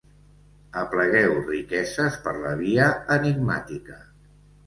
Aplegueu riqueses per la via enigmàtica.